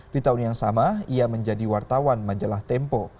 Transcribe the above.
di tahun yang sama ia menjadi wartawan majalah tempo